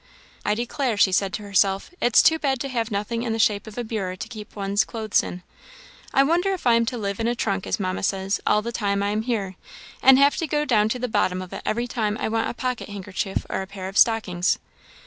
"I declare," she said to herself, "it's too bad to have nothing in the shape of a bureau to keep one's clothes in. I wonder if I am to live in a trunk, as Mamma says, all the time I am here, and have to go down to the bottom of it every time I want a pocket handkerchief or a pair of stockings.